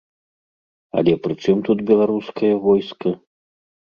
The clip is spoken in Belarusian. Але пры чым тут беларускае войска?